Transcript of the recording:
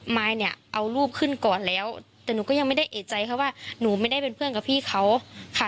มายเนี่ยเอารูปขึ้นก่อนแล้วแต่หนูก็ยังไม่ได้เอกใจค่ะว่าหนูไม่ได้เป็นเพื่อนกับพี่เขาค่ะ